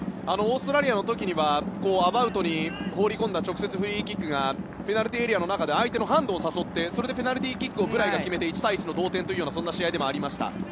オーストラリアの時にはアバウトに放り込んだ直接フリーキックがペナルティーエリアの中で相手のハンドを誘ってそれでペナルティーキックをブ・ライが決めて１対１の同点という試合でした。